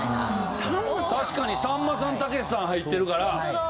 確かにさんまさんたけしさん入ってるから。